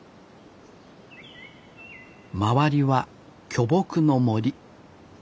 周りは巨木の森。